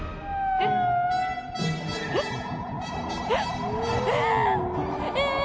ええ⁉えっ！